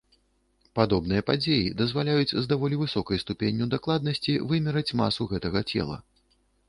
Падобныя падзеі дазваляюць з даволі высокай ступенню дакладнасці вымераць масу гэтага цела.